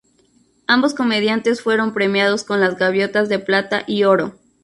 Ambos comediantes fueron premiados con las gaviotas de plata y oro.